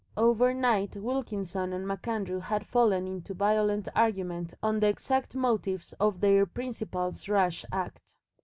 Overnight Wilkinson and MacAndrew had fallen into violent argument on the exact motives of their principal's rash act.